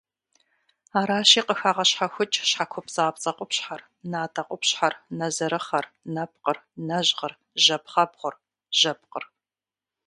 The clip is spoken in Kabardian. Аращи, къыхагъэщхьэхукӏ щхьэкупцӏапцӏэ къупщхьэр, натӏэ къупщхьэр, нэзэрыхъэр, нэпкъыр, нэжьгъыр, жьэ пхъэбгъур, жьэпкъыр.